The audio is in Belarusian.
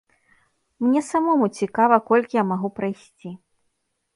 Мне самому цікава, колькі я магу прайсці.